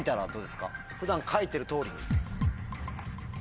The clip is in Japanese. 普段書いてる通りに。